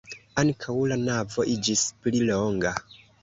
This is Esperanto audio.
Ankaŭ la navo iĝis pli longa.